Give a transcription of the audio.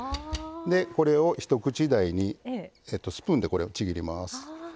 これを一口大にスプーンでこれをちぎります。